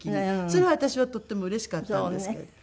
それは私はとってもうれしかったんですけれども。